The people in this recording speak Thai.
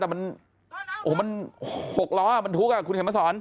แต่มันโอ้โฮมันหกล้อมันทุกค่ะคุณแข่งมันสอน